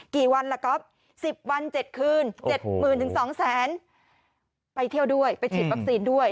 กี่วันแล้วก็๑๐วัน๗คืน๗๐๐๐๐๒๐๐๐๐๐ไปเที่ยวด้วยไปฉีดวัคซีนด้วย